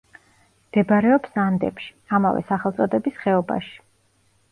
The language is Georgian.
მდებარეობს ანდებში, ამავე სახელწოდების ხეობაში.